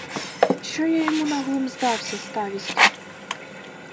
Що я йому на глум здався старістю?